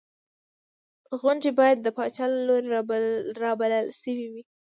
غونډې باید د پاچا له لوري رابلل شوې وې.